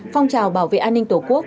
phong trào bảo vệ an ninh tổ quốc